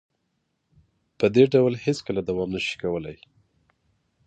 په دې ډول هیڅکله دوام نشي کولې